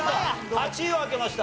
８位を開けました。